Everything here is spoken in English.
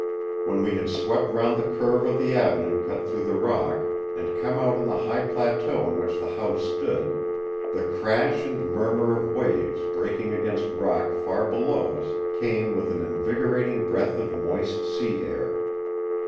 When we had swept round the curve of the avenue cut through the rock, and come out on the high plateau on which the house stood, the crash and murmur of waves breaking against rock far below us came with an invigorating breath of moist sea air.